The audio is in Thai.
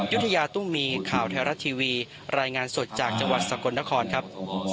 ยุธยาตุ้มมีข่าวไทยรัฐทีวีรายงานสดจากจังหวัดสกลนครครับ